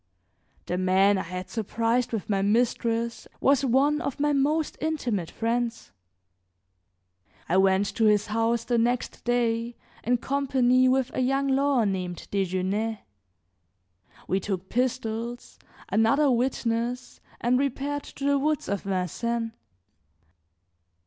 The man I had surprised with my mistress was one of my most intimate friends. I went to his house the next day in company with a young lawyer named Desgenais; we took pistols, another witness, and repaired to the woods of Vincennes.